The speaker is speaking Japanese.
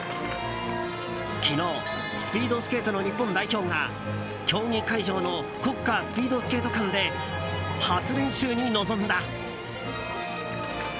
昨日スピードスケートの日本代表が競技会場の国家スピードスケート館で初練習に臨んだ。